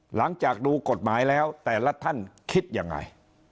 หลังจากดูกฎหมายแล้วแต่ละท่านคิดยังไง